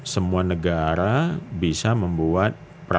semua negara bisa membuat